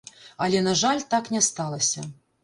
Але, на жаль, так не сталася.